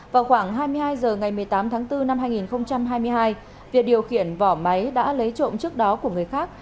vào khoảng hai mươi hai h ngày một mươi tám tháng bốn năm hai nghìn hai mươi hai việt điều khiển vỏ máy đã lấy trộm trước đó của người khác